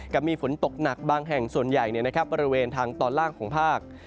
กับมีฝนตกหนักบางแห่งส่วนใหญ่บริเวณทางตอนล่างของภาค